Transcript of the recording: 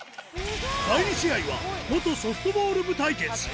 第２試合は、元ソフトボール部対決。